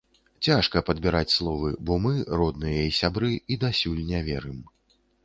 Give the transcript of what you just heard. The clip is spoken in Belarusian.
Цяжка падбіраць словы, бо мы, родныя і сябры, і дасюль не верым.